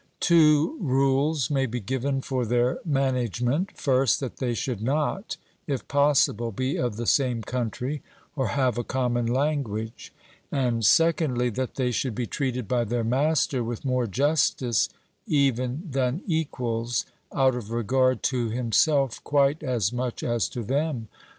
Two rules may be given for their management: first that they should not, if possible, be of the same country or have a common language; and secondly, that they should be treated by their master with more justice even than equals, out of regard to himself quite as much as to them.